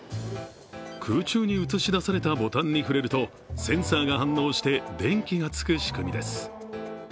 空中に映し出されたボタンに触れるとセンサーが反応して、電気がつく仕組みです。